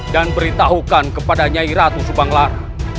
dan beritahukan kepada nyai ratu subanglar